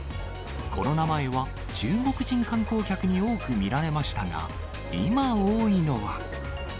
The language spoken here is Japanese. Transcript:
コロナ前は中国人観光客に多く見られましたが、今多いのは。